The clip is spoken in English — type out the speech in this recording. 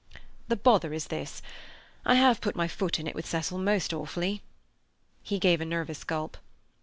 "The bother is this: I have put my foot in it with Cecil most awfully." He gave a nervous gulp.